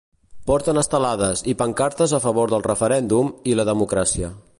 Porten estelades i pancartes a favor del referèndum i la democràcia.